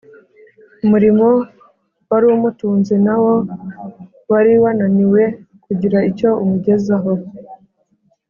umurimo wari umutunze nawo wari wananiwe kugira icyo umugezaho